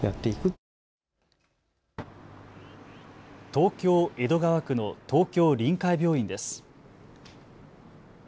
東京江戸川区の東京臨海病院です。